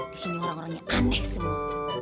disini orang orangnya aneh semua